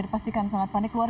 jadi bagaimana pendapatnya kayak